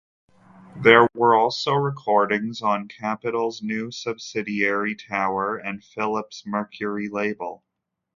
There were also recordings on Capitol's new subsidiary Tower, and Philips' Mercury label.